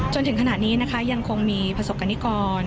จนถึงขณะนี้นะคะยังคงมีประสบกรณิกร